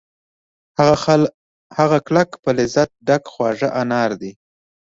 هغه کلک په لذت ډک خواږه انار دي